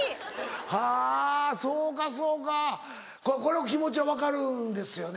はぁそうかそうかこの気持ち分かるんですよね？